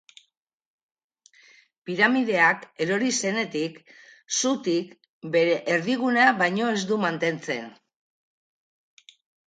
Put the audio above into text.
Piramideak, erori zenetik, zutik, bere erdigunea baino ez du mantentzen.